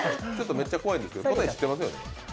めっちゃ怖いんですけど、答え知ってますよね？